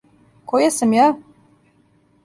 Које сам ја?